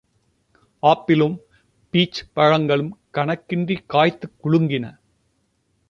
ஆப்பிளும், peach பழங்களும் கணக்கின்றிக் காய்த்துக் குலுங்கின.